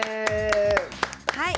はい。